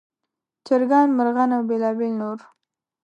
چرګان، مرغان او بېلابېل نور.